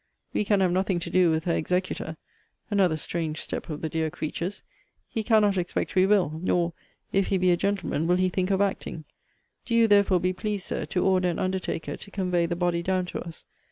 We can have nothing to do with her executor, (another strange step of the dear creature's!) He cannot expect we will nor, if he be a gentleman, will he think of acting. Do you, therefore, be pleased, Sir, to order an undertaker to convey the body down to us.